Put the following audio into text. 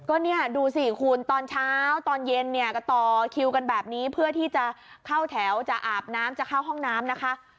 ก็เนี่ยดูสิคุณตอนเช้าตอนเย็นเนี่ยก็ต่อคิวกันแบบนี้เพื่อที่จะเข้าแถวจะอาบน้ำจะเข้าห้องน้ำนะคะ